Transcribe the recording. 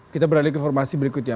kita beralih ke informasi berikutnya